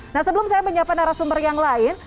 nah sebelum saya menyiapkan arah sumber yang lain